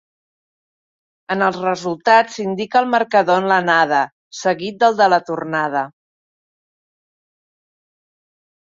En els resultats s'indica el marcador en l'anada, seguit del de la tornada.